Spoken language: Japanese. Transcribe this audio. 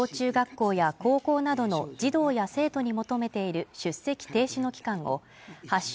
校や高校などの児童や生徒に求めている出席停止の期間を発症